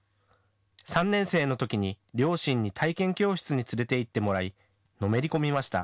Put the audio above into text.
３年生のときに両親に体験教室に連れて行ってもらいのめり込みました。